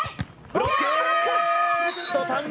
ブロック！